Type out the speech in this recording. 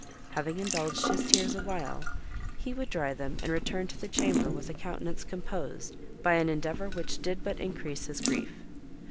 Having indulged his tears a while, he would dry them and return to the chamber with a countenance composed by an endeavour which did but increase his grief.